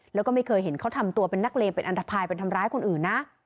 แล้วก็ไม่เคยเห็นเขาทำตัวเป็นนักเลงเป็นอันทภายเป็นทำร้ายคนอื่นนะ